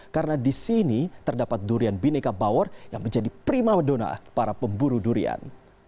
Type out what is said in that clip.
karena di sini terdapat durian bineka bawor yang menjadi prima medona para pemburu durian